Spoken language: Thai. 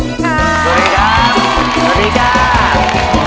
สวัสดีครับสวัสดีครับ